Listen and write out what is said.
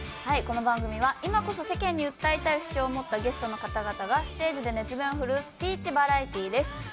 はいこの番組は今こそ世間に訴えたい主張を持ったゲストの方々がステージで熱弁を振るうスピーチバラエティーです。